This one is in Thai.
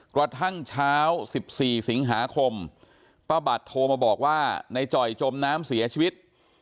กระทั่งเช้า๑๔สิงหาคมป้าบัตรโทรมาบอกว่าในจ่อยจมน้ำเสียชีวิต